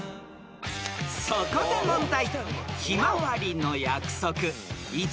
［そこで問題］